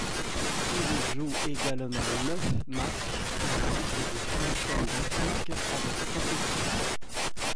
Il joue également neuf matchs en Ligue des champions d'Afrique avec cette équipe.